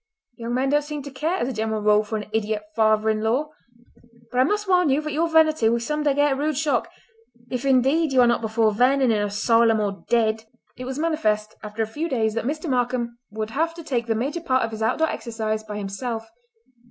Young men don't seem to care, as a general rule, for an idiot father in law! But I must warn you that your vanity will some day get a rude shock—if indeed you are not before then in an asylum or dead!" It was manifest after a few days that Mr. Markam would have to take the major part of his outdoor exercise by himself.